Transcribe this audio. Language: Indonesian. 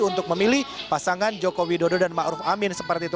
untuk memilih pasangan jokowi dodo dan ma'ruf amin seperti itu